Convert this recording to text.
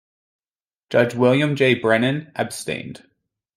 Judge William J. Brennan abstained.